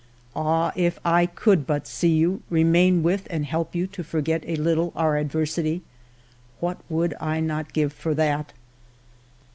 " Ah, if I could but see you, remain with and help you to forget a little our adversity ! What would I not give for that